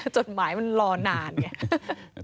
จดหมายมันรอนานไง